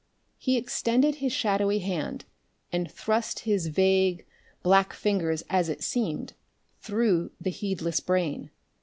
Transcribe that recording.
He extended his shadowy hand and thrust his vague black fingers, as it seemed, through the heedless brain.